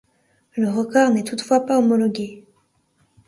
Le record n'est toutefois pas homologué.